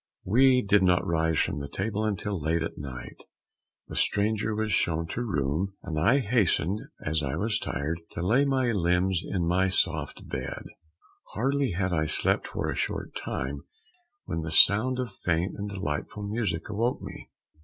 We did not rise from table until late in the night, the stranger was shown to room, and I hastened, as I was tired, to lay my limbs in my soft bed. Hardly had I slept for a short time, when the sound of faint and delightful music awoke me.